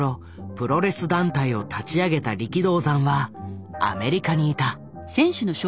プロレス団体を立ち上げた力道山はアメリカにいた。